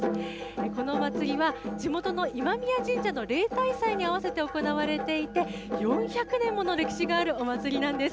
この祭りは地元の今宮神社の例大祭に合わせて行われていて、４００年もの歴史があるお祭りなんです。